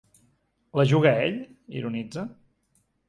La juga ell?, ironitza.